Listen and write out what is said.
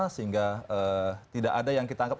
sehingga tidak ada yang kita anggap